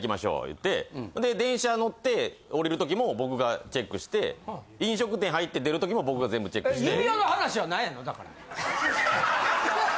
言うてほんで電車乗って降りるときも僕がチェックして飲食店入って出るときも僕が全部チェックして。